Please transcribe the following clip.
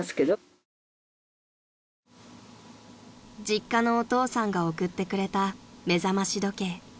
［実家のお父さんが送ってくれた目覚まし時計］